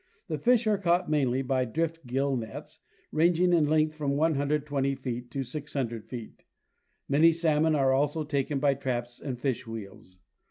The fish are caught mainly by drift gill nets ranging in leneth from 120 feet to 600 feet. Many salmon are also taken by traps and fish wheels.